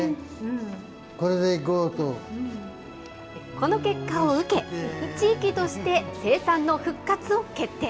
この結果を受け、地域として生産の復活を決定。